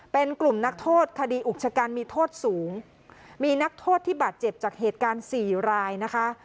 เป็นกลุ่มนักโทษคดีอุกชะกันมีโทษสูงมีนักโทษที่บาดเจ็บจากเหตุการณ์สี่รายนะคะ